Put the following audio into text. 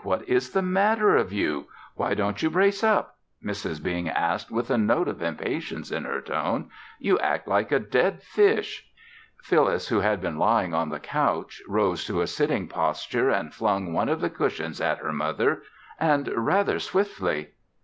What is the matter of you? Why don't you brace up?" Mrs. Bing asked with a note of impatience in her tone. "You act like a dead fish." Phyllis, who had been lying on the couch, rose to a sitting posture and flung one of the cushions at her mother, and rather swiftly.